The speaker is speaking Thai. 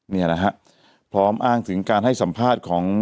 นี่แหละฮะพร้อมอ้างถึงการให้สัมภาษณ์ของ